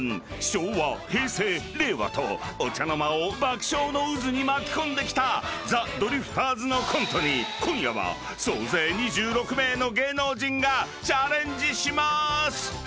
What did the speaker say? ［昭和平成令和とお茶の間を爆笑の渦に巻き込んできたザ・ドリフターズのコントに今夜は総勢２６名の芸能人がチャレンジします］